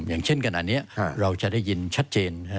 อย่างเช่นกันอันนี้เราจะได้ยินชัดเจน